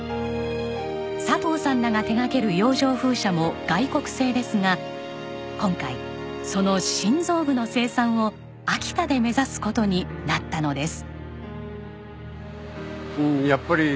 佐藤さんらが手掛ける洋上風車も外国製ですが今回その心臓部の生産を秋田で目指す事になったのです。